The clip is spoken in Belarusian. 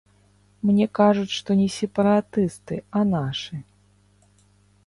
Мне кажуць, што не сепаратысты, а нашы.